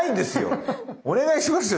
お願いしますよ